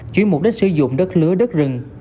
chuyển mục đích sử dụng đất lứa đất rừng